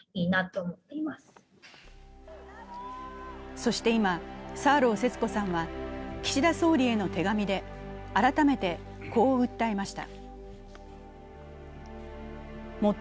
そして今、サーロー節子さんは岸田総理への手紙で改めてこう訴えました。